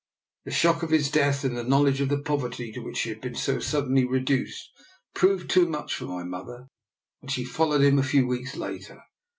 The shock of his death and the knowledge of the poverty to which she had been so suddenly reduced proved too much for my mother, and she followed him a few weeks later.